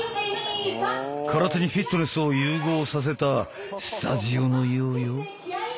空手にフィットネスを融合させたスタジオのようよ。